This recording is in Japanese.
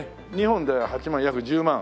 ２本で８万約１０万。